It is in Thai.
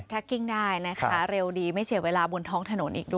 กิ้งได้นะคะเร็วดีไม่เสียเวลาบนท้องถนนอีกด้วย